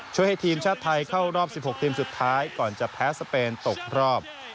ให้ทีมชาติไทยเข้ารอบ๑๖ทีมสุดท้ายก่อนจะแพ้สเปนตกรอบ